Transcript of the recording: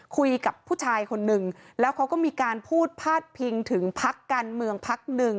คุยกับผู้ชายคนนึงแล้วเขาก็มีการพูดพาดพิงถึงพักการเมืองพักหนึ่ง